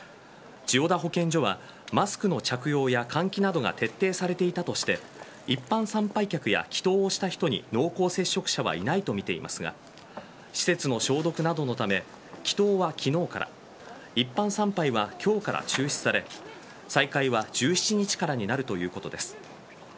千代田保健所はマスクの着用や換気などが徹底されていたとして一般参拝客や祈祷をした人に濃厚接触者はいないとみていますが施設の消毒などのため祈祷は昨日から一般参拝は今日から中止され再開は１７日からになるということです。